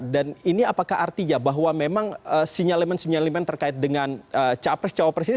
dan ini apakah artinya bahwa memang sinyalemen sinyalemen terkait dengan capres cawapres ini